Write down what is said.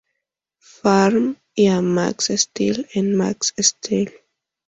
Farm" y a Max Steel en "Max Steel".